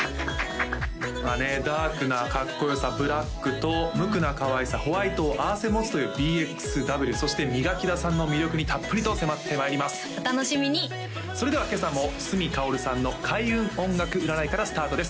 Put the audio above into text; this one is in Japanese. ダークなかっこよさブラックと無垢なかわいさホワイトを併せ持つというＢＸＷそして磨田さんの魅力にたっぷりと迫ってまいりますお楽しみにそれでは今朝も角かおるさんの開運音楽占いからスタートです